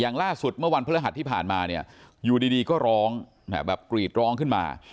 ล่าสุดเมื่อวันพฤหัสที่ผ่านมาเนี่ยอยู่ดีก็ร้องแบบกรีดร้องขึ้นมา